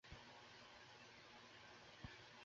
তিনি তীব্র সমালোচনা করেন।